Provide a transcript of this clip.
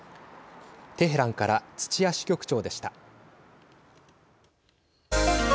テヘランから土屋支局長でした。